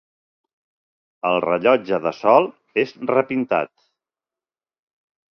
El rellotge de sol és repintat.